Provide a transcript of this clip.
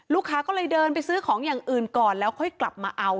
ก็เลยเดินไปซื้อของอย่างอื่นก่อนแล้วค่อยกลับมาเอา